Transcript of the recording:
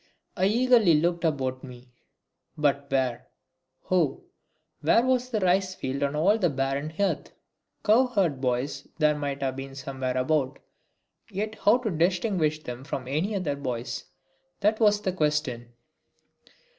I eagerly looked about me. But where, oh, where was the rice field on all that barren heath? Cowherd boys there might have been somewhere about, yet how to distinguish them from any other boys, that was the question!